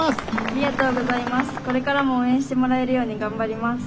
これからも応援してもらえるように頑張ります。